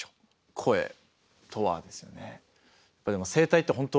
声とはですよね。